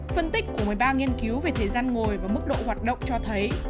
phân tích của một mươi ba nghiên cứu về thời gian ngồi và mức độ hoạt động cho thấy